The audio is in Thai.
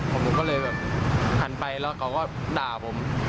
ผมก็เลยแบบหันไปแล้วเขาก็ด่าผม